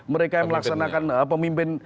mereka yang melaksanakan pemimpin